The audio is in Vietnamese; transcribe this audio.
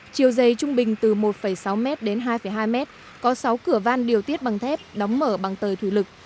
chiều dày trung bình từ một sáu m đến hai hai m có sáu cửa van điều tiết bằng thép đóng mở bằng tời thủy lực